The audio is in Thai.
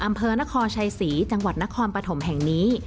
อำเภอนครชัยศรีจังหวัดนครปฐมแห่งนี้